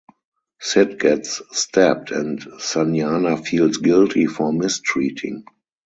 Sid gets stabbed and Sanjana feels guilty for mistreating.